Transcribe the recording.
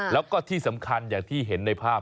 แล้วก็ที่สำคัญอย่างที่เห็นในภาพ